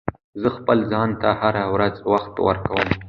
زه خپل ځان ته هره ورځ وخت ورکوم.